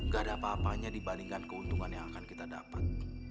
gak ada apa apanya dibandingkan keuntungan yang akan kita dapat